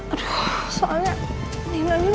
aduh soalnya nino